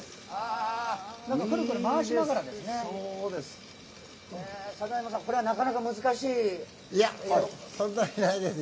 くるくる回しながらなんですね。